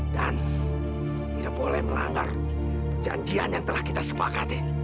dan tidak boleh melanggar perjanjian yang telah kita sepakat